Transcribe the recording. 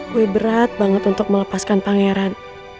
gue berat banget untuk melepaskan pangeran